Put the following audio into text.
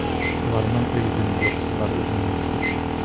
ئۇلارنىڭ ئۆيىدىن يوقسۇللار ئۈزۈلمەيتتى.